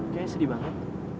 kayaknya sedih banget